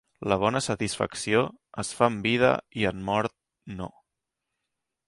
La bona satisfacció es fa en vida, i en mort... no.